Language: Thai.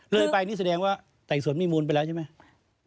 เลยไปนี่แสดงว่าไต่สวนมีมูลไปแล้วใช่ไหม